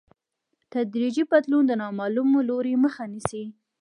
تدریجي بدلون د نامعلوم لوري مخه نیسي.